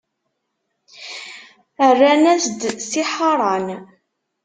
Rran-as-d: Si Ḥaṛan.